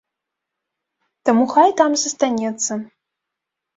Таму хай там застанецца.